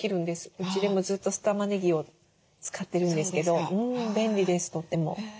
うちでもずっと酢たまねぎを使ってるんですけど便利ですとっても。